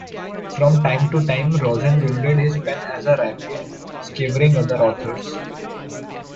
From time to time Rosen wielded his pen as a rapier, skewering other authors.